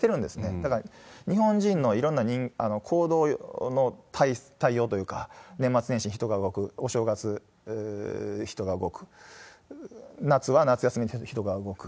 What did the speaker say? だから、日本人のいろんな行動の対応というか、年末年始、人が動く、お正月、人が動く、夏は夏休みで人が動く。